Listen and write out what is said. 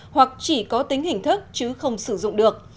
hoặc chỉ có tính hình thức chứ không sử dụng được